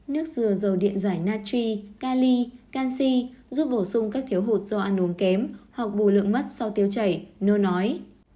nước dừa dầu điện giải natri cali canxi giúp bổ sung các thiếu hụt do ăn uống kém hoặc bù lượng mất sau tiêu chảy nô nói